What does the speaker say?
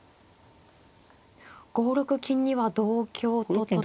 ５六金には同香と取って。